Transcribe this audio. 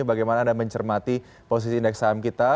bagaimana anda mencermati posisi indeks saham kita